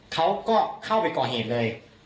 เขาก็เข้าไปก่อเหตุเลย